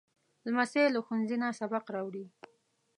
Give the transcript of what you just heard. لمسی له ښوونځي نه سبق راوړي.